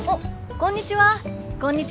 こんにちは。